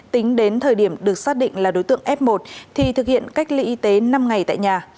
tính đến thời điểm được xác định là đối tượng f một thì thực hiện cách ly y tế năm ngày tại nhà